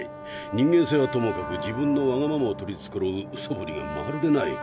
人間性はともかく自分のワガママを取りつくろうそぶりがまるでない。